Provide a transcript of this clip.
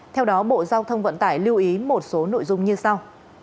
theo đó bộ giao thông vận tải lưu ý một số nội dung như sau